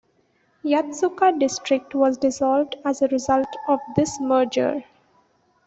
Yatsuka District was dissolved as a result of this merger.